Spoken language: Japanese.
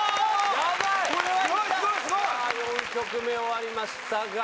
さぁ４曲目終わりましたが。